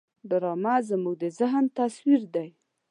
ډرامه زموږ د ذهن تصویر دی